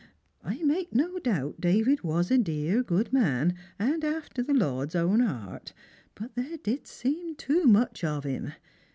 I make no doubt David was a dear good man, and after the Lord's own heart; but there did seem too much of him.